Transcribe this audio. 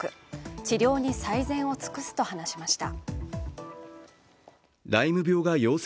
治療に最善を尽くすと話しました。